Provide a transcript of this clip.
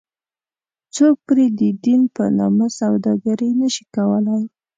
څوک پرې ددین په نامه سوداګري نه شي کولی.